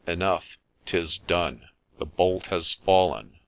— Enough — 'tis done ! The bolt has fallen